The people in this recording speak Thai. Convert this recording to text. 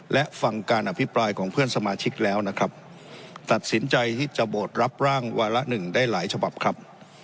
และฟังการอภิปรายของเพื่อนสมาชิกแล้วนะครับตัดสินใจที่จะโหวตรับร่างวาระหนึ่งได้หลายฉบับครับ